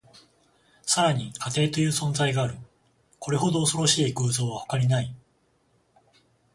さらに、家庭という存在がある。これほど恐ろしい偶像は他にない。